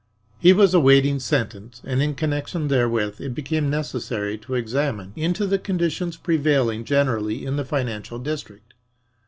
He was awaiting sentence, and in connection therewith it became necessary to examine into the conditions prevailing generally in the financial district.